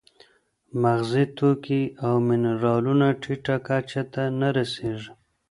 مغذي توکي او منرالونه ټیټه کچه ته نه رسېږي.